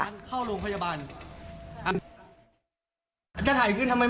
นี่ครับลายมือช่วย